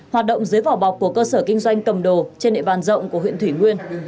hoạt động dưới vỏ bọc của cơ sở kinh doanh cầm đồ trên địa bàn rộng của huyện thủy nguyên